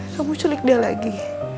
kamu sulik dia lagi